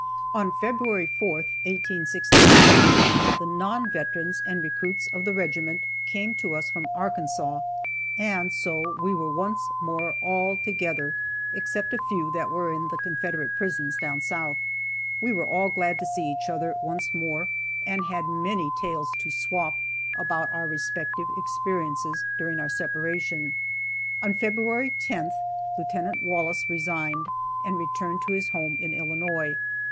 On February 4th, 1865, the non veterans and recruits of the regiment came to us from Arkansas, and so we were once more all together, except a few that were in the Confederate prisons down South. We were all glad to see each other once more, and had many tales to "swap," about our respective experiences during our separation. On February 10th, Lieutenant Wallace resigned, and returned to his home in Illinois.